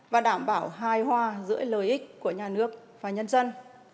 và đảm bảo hài hòa giữa lợi ích của nhà nước và nhân dân